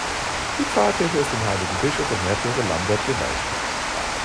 Die Pfarrkirche ist dem heiligen Bischof und Märtyrer Lambert geweiht.